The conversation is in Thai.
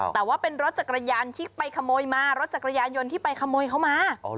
แต่ว่าเป็นรถจักรยานที่ไปขโมยมารถจักรยานยนต์ที่ไปขโมยเขามา